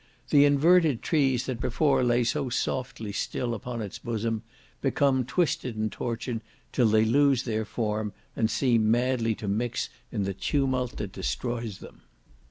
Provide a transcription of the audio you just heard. The inverted trees, that before lay so softly still upon its bosom, become twisted and tortured till they lose their form, and seem madly to mix in the tumult that destroys them.